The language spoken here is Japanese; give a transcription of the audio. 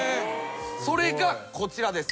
それがこちらです。